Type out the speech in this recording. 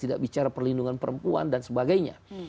tidak bicara perlindungan perempuan dan sebagainya